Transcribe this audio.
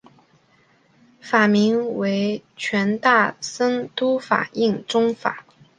法名为权大僧都法印宗方。